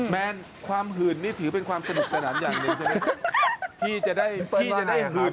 แมนความหื่นนี่ถือเป็นความสนุกสนานอย่างหนึ่งใช่ไหมพี่จะได้พี่จะได้หื่น